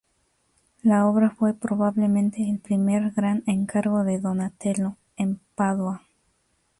La obra fue probablemente el primer gran encargo de Donatello en Padua.